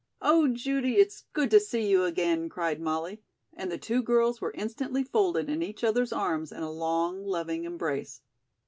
"Oh, Judy, it's good to see you again," cried Molly, and the two girls were instantly folded in each other's arms in a long, loving embrace.